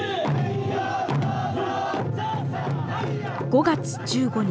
５月１５日。